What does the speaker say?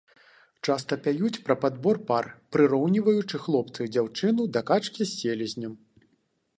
Часта пяюць пра падбор пар, прыроўніваючы хлопца і дзяўчыну да качкі з селезнем.